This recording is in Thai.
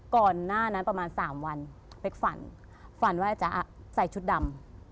ก่อนหน้านั้นประมาณ๓วันเป๊กฝันฝันว่าจ๊ะใส่ชุดดำ